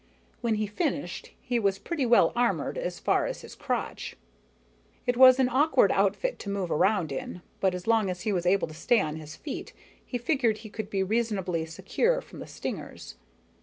When he finished, he was pretty well armored as far as his crotch. It was an awkward outfit to move around in, but as long as he was able to stay on his feet, he figured he would be reasonably secure from the stingers.